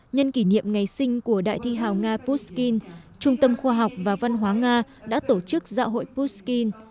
nhân kỷ niệm ngày sinh của đại thi hào nga pushkin trung tâm khoa học và văn hóa nga đã tổ chức dạo hội pushkin